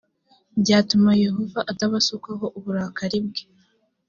byatuma yehova atabasukaho uburakari bwe